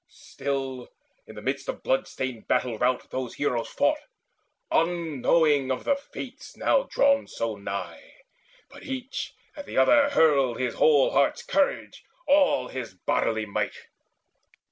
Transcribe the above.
Still in the midst of blood stained battle rout Those heroes fought, unknowing of the Fates Now drawn so nigh, but each at other hurled His whole heart's courage, all his bodily might.